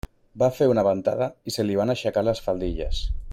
Va fer una ventada i se li van aixecar les faldilles.